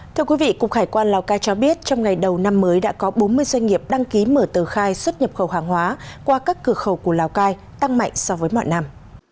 thưa quý vị cục hải quan lào cai cho biết trong ngày đầu năm mới đã có bốn mươi doanh nghiệp đăng ký mở tờ khai xuất nhập khẩu hàng hóa qua các cửa khẩu của lào cai tăng mạnh so với mọi năm